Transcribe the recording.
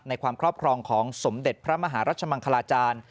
ความครอบครองของสมเด็จพระมหารัชมังคลาจารย์